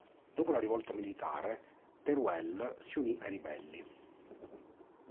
Dopo la rivolta militare, Teruel si unì ai ribelli.